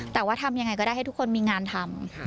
แต่ว่าทำยังไงก็ได้ให้ทุกคนมีงานทำ